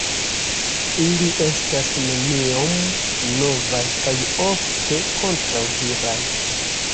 Ili estas neniom novaj kaj ofte kontraŭdiraj.